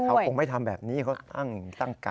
เขาคงไม่ทำแบบนี้เขาตั้งกะ